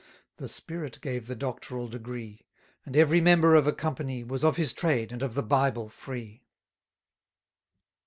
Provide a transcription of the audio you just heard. The spirit gave the doctoral degree: And every member of a company Was of his trade, and of the Bible free.